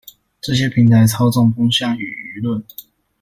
這些平台操縱風向與輿論